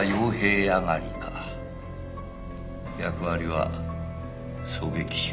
役割は狙撃手。